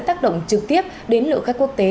tác động trực tiếp đến lượng các quốc tế